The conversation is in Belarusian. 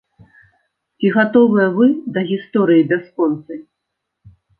Ці гатовыя вы да гісторыі бясконцай?